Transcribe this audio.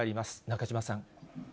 中島さん。